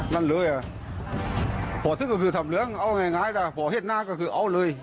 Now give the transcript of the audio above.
นั่นเลยอ่ะบ่อทึกก็คือทำเหลืองเอาง่ายนะบ่อเห็ดหน้าก็คือเอาเลย